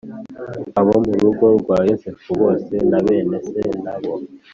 abo mu rugo rwa Yosefu bose na bene se n abo